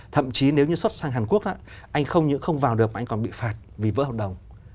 thậm chí nếu như xuất sang hàn quốc anh không những không vào được mà anh còn bị phạt vì vỡ hợp đồng